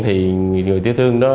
thì người tiểu thương đó